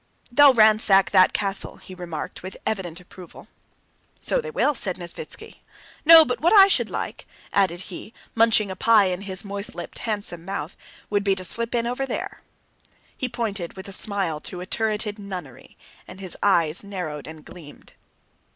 They'll ransack that castle," he remarked with evident approval. "So they will," said Nesvítski. "No, but what I should like," added he, munching a pie in his moist lipped handsome mouth, "would be to slip in over there." He pointed with a smile to a turreted nunnery, and his eyes narrowed and gleamed.